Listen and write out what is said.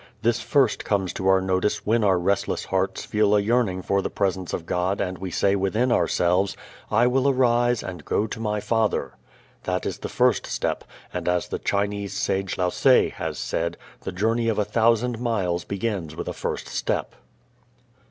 This first comes to our notice when our restless hearts feel a yearning for the Presence of God and we say within ourselves, "I will arise and go to my Father." That is the first step, and as the Chinese sage Lao tze has said, "The journey of a thousand miles begins with a first step."